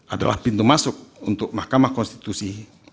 adalah pintu masuk untuk mahkamah konstitusi